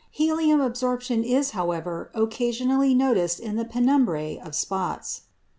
Helium absorption is, however, occasionally noticed in the penumbræ of spots.